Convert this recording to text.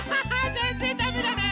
ぜんぜんだめだね。